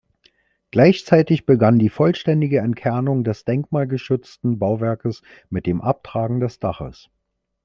Gleichzeitig begann die vollständige Entkernung des denkmalgeschützten Bauwerkes mit dem Abtragen des Daches.